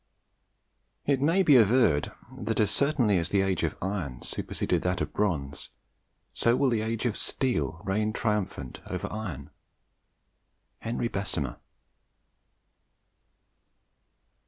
"It may be averred that as certainly as the age of iron superseded that of bronze, so will the age of steel reign triumphant over iron." HENRY BESSEMER.